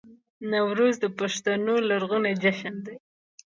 نوروز د پښتنو لرغونی جشن دی